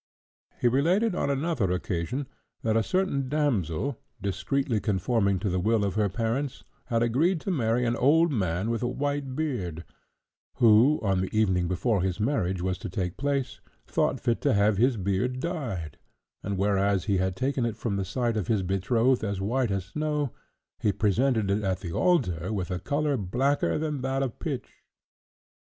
He related, on another occasion, that a certain damsel, discreetly conforming to the will of her parents, had agreed to marry an old man with a white beard, who, on the evening before his marriage was to take place, thought fit to have his beard dyed, and whereas he had taken it from the sight of his betrothed as white as snow, he presented it at the altar with a colour blacker than that of pitch.